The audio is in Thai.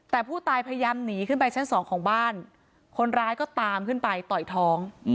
แต่ผู้ตายพยายามหนีขึ้นไปชั้นสองของบ้านคนร้ายก็ตามขึ้นไปต่อยท้อง